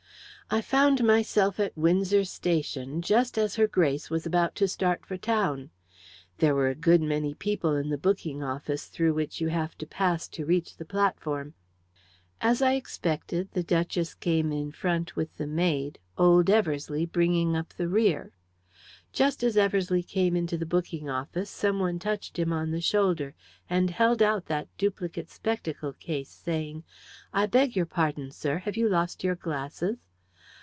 "I found myself at Windsor Station just as Her Grace was about to start for town. There were a good many people in the booking office through which you have to pass to reach the platform. As I expected, the duchess came in front, with the maid, old Eversleigh bringing up the rear. Just as Eversleigh came into the booking office some one touched him on the shoulder, and held out that duplicate spectacle case, saying, 'I beg your pardon, sir! Have you lost your glasses?'